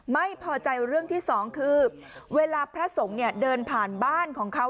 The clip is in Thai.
ไม่พอใจเรื่องที่สองคือเวลาพระสงฆ์เนี่ยเดินผ่านบ้านของเขา